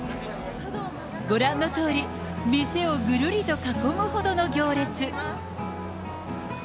ご覧のとおり、店をぐるりと囲むほどの行列。